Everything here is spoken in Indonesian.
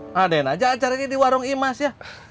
nadain aja acara ini di warung imas ya